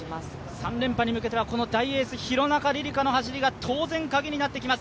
３連覇に向けては大エース、廣中璃梨佳の走りが当然カギになってきます。